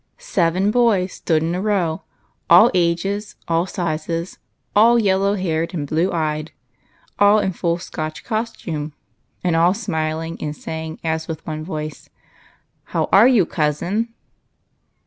Seven boys stood in a row, — all ages, all sizes, all yellow haired and blue eyed, all in full Scotch costume, and all smiHng, nodding, and saying as with one voice, *' How are you, cousin